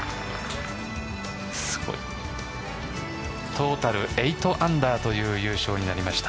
トータル８アンダーという優勝になりました。